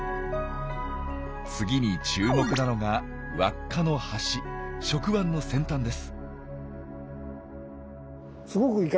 次に注目なのが輪っかの端触腕の先端です。